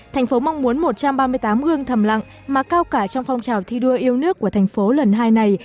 thành phố mong muốn một trăm ba mươi tám gương thầm lặng mà cao cả trong phong trào thi đua yêu nước của thành phố lần hai này